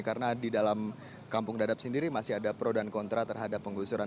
karena di dalam kampung dadap sendiri masih ada pro dan kontra terhadap penggusuran